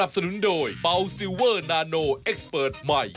สนับสนุนโดยเป๋าซิลเวอร์นาโนเอกสเปิร์ตใหม่